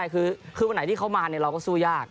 คือวันไหนที่เขามาเราก็สู้ยาก